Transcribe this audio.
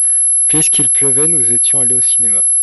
Puisqu'il pleuvait nous étions allés au cinéma.